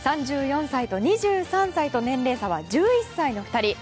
３４歳と２３歳と年齢差は１１歳の２人。